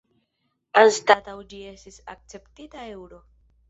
Anstataŭ ĝi estis akceptita eŭro.